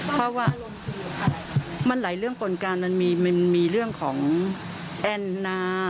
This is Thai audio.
เพราะว่ามันหลายเรื่องกลการมันมีเรื่องของแอนนา